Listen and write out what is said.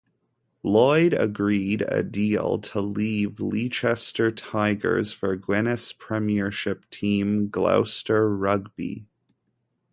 Lloyd agreed a deal to leave Leicester Tigers for Guinness Premiership team Gloucester Rugby.